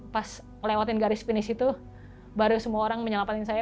pas ngelewatin garis finish itu baru semua orang menyelamatkan saya